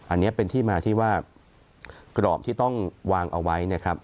อันนี้เป็นที่มาที่ว่ากรอบที่ต้องวางเอาไว้นะครับ